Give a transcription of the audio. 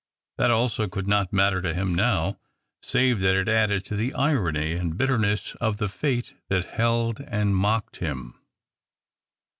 That also could not matter to him now — save that it added to the irony and Ijitterness of the fate that held and mocked him.